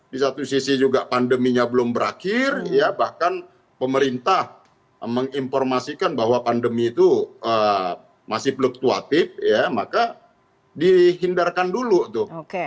di satu sisi juga pandeminya belum berakhir bahkan pemerintah menginformasikan bahwa pandemi itu masih fluktuatif ya maka dihindarkan dulu tuh